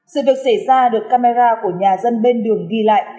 sự việc xảy ra được camera của nhà dân bên đường ghi lại